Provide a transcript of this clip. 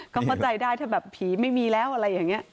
ก็เข้าใจได้ถ้าแบบผีไม่มีแล้วอะไรอย่างนี้